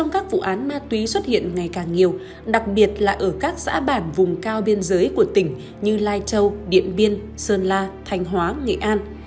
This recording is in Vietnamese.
các bạn hãy đăng ký kênh để ủng hộ kênh của chúng mình nhé